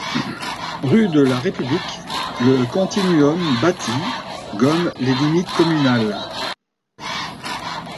Rue de la République, le continuum bâti gomme les limites communales.